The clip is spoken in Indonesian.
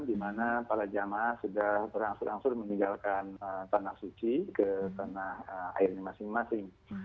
di mana para jamaah sudah berangsur angsur meninggalkan tanah suci ke tanah airnya masing masing